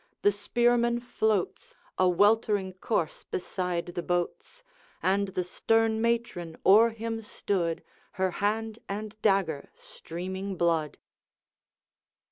the spearman floats A weltering corse beside the boats, And the stern matron o'er him stood, Her hand and dagger streaming blood.